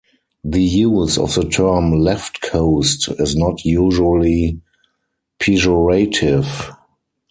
The use of the term "left coast" is not usually pejorative.